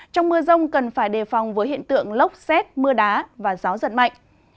trong mưa rông cần phải đề phòng với hiện tượng lốc xét mưa đá và gió giật mạnh